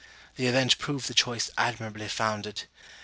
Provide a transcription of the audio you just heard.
The event proved the choice admirably founded.